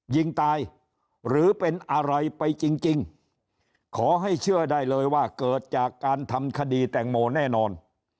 ยิงตายหรือเป็นอะไรไปจริงขอให้เชื่อได้เลยว่าเกิดจากการทำคดีแตงโมแน่นอน